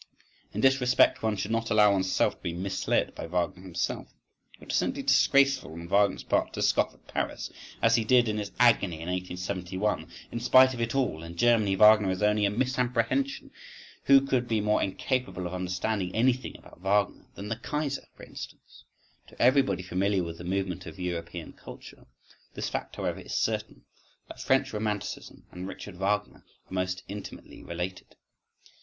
—In this respect one should not allow one's self to be misled by Wagner himself—it was simply disgraceful on Wagner's part to scoff at Paris, as he did, in its agony in 1871.… In spite of it all, in Germany Wagner is only a misapprehension.—who could be more incapable of understanding anything about Wagner than the Kaiser, for instance?—To everybody familiar with the movement of European culture, this fact, however, is certain, that French romanticism and Richard Wagner are most intimately related.